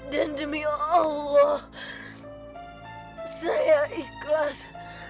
dan demi allah saya ikhlas